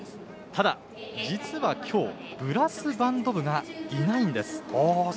ただ、実は今日ブラスバンド部がいないんです。